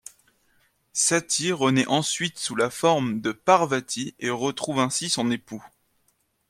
Satî renaît ensuite sous la forme de Pârvatî et retrouve ainsi son époux.